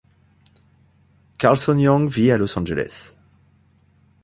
Carlson Young vit à Los Angeles.